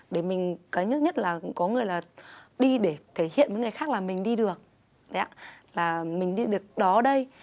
để mình có nhất nhất là có người là đi để thể hiện với người khác là mình đi được là mình đi được đó đây